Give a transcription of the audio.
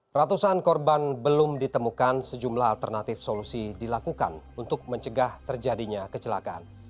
ratusan korban belum ditemukan sejumlah alternatif solusi dilakukan untuk mencegah terjadinya kecelakaan